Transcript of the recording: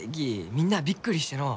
みんなあびっくりしてのう。